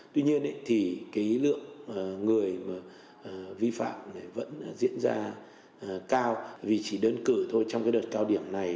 tuy nhiên thì cái lượng người vi phạm vẫn diễn ra cao vì chỉ đơn cử thôi trong cái đợt cao điểm này